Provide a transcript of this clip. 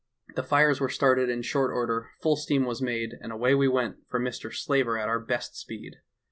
The fires were started in short order, full steam was made, and away we went for Mr. Slaver at our best speed.